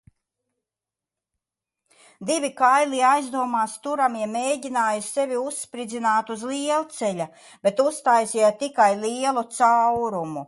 Divi kaili aizdomās turamie mēģināja sevi uzspridzināt uz lielceļa, bet uztaisīja tikai lielu caurumu.